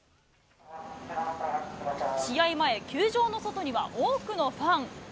前、球場の外には多くのファン。